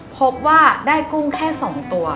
พบว่าได้กุ้งแค่๒ตัว